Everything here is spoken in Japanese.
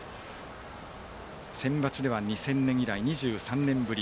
センバツでは２０００年以来２３年ぶり。